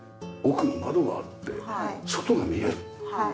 奧に窓があって外が見える。